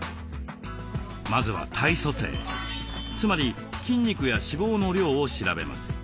まずは体組成つまり筋肉や脂肪の量を調べます。